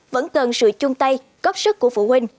vẫn cần sự chung tay góp sức của phụ huynh